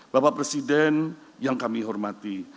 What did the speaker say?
bapak presiden yang kami hormati